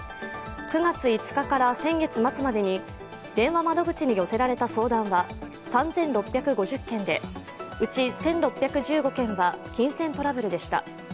９月５日から先月末までに電話窓口に寄せられた相談は３６５０件で、うち１６１５件は金銭トラブルでした。